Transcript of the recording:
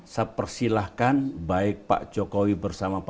saya persilahkan baik pak jokowi bersama pak jokowi